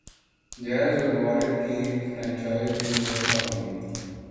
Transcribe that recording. jazz اور وارد کی franchise بھی مشترکہ ہوں گی